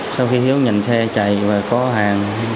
sau khi hiếu nhận xe chạy và có hàng